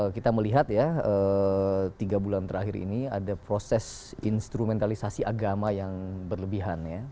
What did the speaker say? kita melihat ya tiga bulan terakhir ini ada proses instrumentalisasi agama yang berlebihan ya